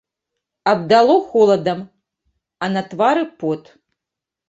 Абдало холадам, а на твары пот.